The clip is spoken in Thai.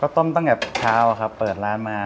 ต้มตั้งแต่เช้าครับเปิดร้านมา